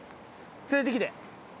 連れてきて。